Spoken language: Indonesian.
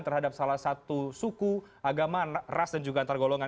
terhadap salah satu suku agama ras dan juga antargolongan